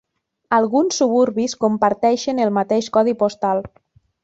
Alguns suburbis comparteixen el mateix codi postal.